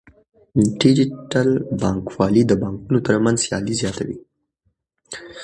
ډیجیټل بانکوالي د بانکونو ترمنځ سیالي زیاتوي.